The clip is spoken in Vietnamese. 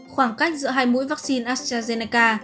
khoảng cách giữa hai mũi vaccine astrazeneca